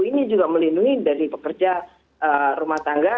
ini juga melindungi dari pekerja rumah tangga